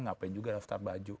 ngapain juga daftar baju